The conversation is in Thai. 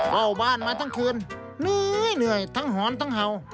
เข้าบ้านมาทั้งคืนเหนื่อยทั้งหอนทั้งเห่า